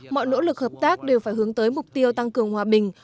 mọi nỗ lực hợp tác đều phải hướng tới mục tiêu tăng cường hòa bình